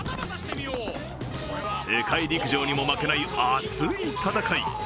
世界陸上にも負けない熱い戦い。